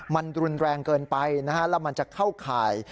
มันรุนแรงเกินไปนะฮะแล้วมันจะเข้าข่าย